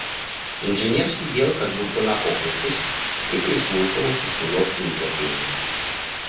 Инженер сидел, как будто нахохлившись, и прислушивался с неловким нетерпением.